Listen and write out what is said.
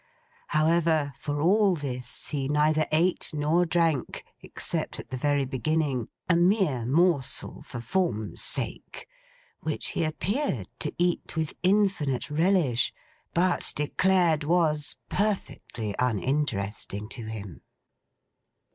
However, for all this, he neither ate nor drank, except at the very beginning, a mere morsel for form's sake, which he appeared to eat with infinite relish, but declared was perfectly uninteresting to him.